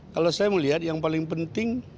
kalau saya melihat yang paling penting